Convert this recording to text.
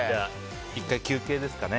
１回休憩ですかね。